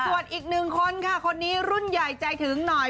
ส่วนอีกหนึ่งคนค่ะคนนี้รุ่นใหญ่ใจถึงหน่อย